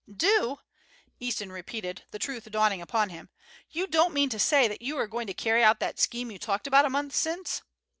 "Do!" Easton repeated, the truth dawning upon him. "You don't mean to say that you are going to carry out that scheme you talked about a month since?"